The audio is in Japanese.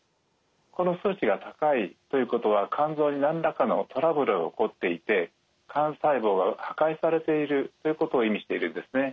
この数値が高いということは肝臓に何らかのトラブルが起こっていて肝細胞が破壊されているということを意味しているんですね。